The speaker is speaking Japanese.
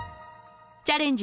「チャレンジ！